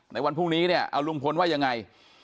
ในวันพรุ่งนี้ลุงพลว่ายังไง